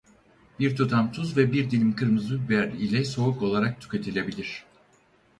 Bir tutam tuz ve bir dilim kırmızı biber ile soğuk olarak tüketilebilir.